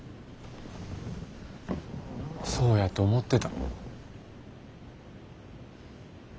そうやと思ってた。